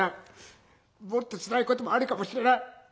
もっとつらいこともあるかもしれない。